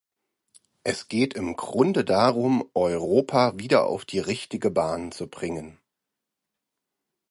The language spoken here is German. Es geht im Grunde darum, Europa wieder auf die richtige Bahn zu bringen.